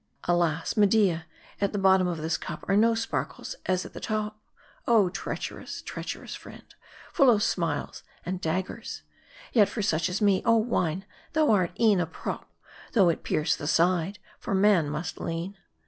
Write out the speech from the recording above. Alas, Media, at the bottom of this cup are no sparkles as at top. Oh, treacherous, treacherous friend ! full of smiles and dag gers. Yet for such as me, ah wine, thou art e'en a prop, though it pierce the side ; for man must lean.